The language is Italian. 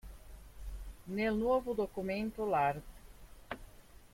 Nel nuovo documento, l'art.